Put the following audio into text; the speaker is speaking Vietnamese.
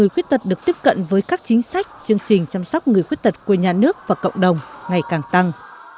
khuyết tật được tiếp cận với các chính sách chương trình chăm sóc người khuyết tật của nhà nước và cộng đồng ngày càng tăng